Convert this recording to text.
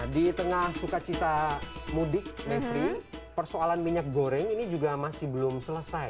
di tengah sukacita mudik mevri persoalan minyak goreng ini juga masih belum selesai